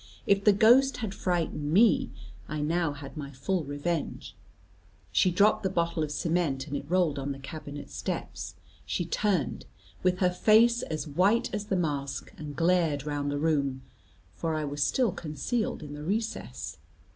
If the ghost had frightened me, I now had my full revenge. She dropped the bottle of cement, and it rolled on the cabinet steps; she turned, with her face as white as the mask, and glared round the room, for I was still concealed in the recess.